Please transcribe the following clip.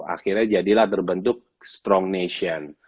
akhirnya jadilah terbentuk strong nation